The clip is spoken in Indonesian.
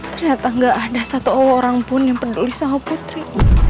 ternyata nggak ada satu orang pun yang peduli sama putri